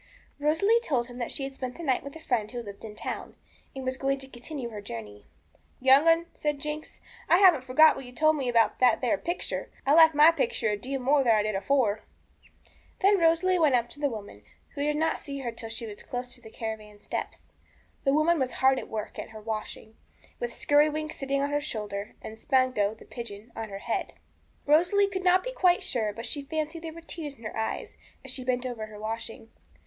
Rosalie told him that she had spent the night with a friend who lived in the town, and was going to continue her journey. 'Young 'un,' said Jinx, 'I haven't forgot what you told me about that there picture. I like my picture a deal more than I did afore.' Then Rosalie went up to the woman, who did not see her till she was close to the caravan steps. The woman was hard at work at her washing, with Skirrywinks sitting on her shoulder, and Spanco, the pigeon, on her head. Rosalie could not be quite sure, but she fancied there were tears in her eyes as she bent over her washing.